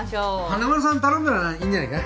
華丸さんに頼んだらいいんじゃないか？